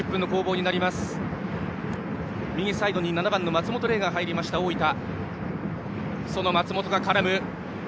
右サイドに７番、松本怜が入った大分。